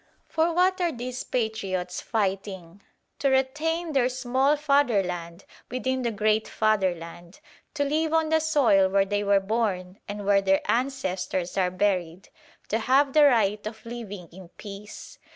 "For what are these patriots fighting? To retain their small fatherland within the great fatherland: to live on the soil where they were born and where their ancestors are buried: to have the right of living in peace.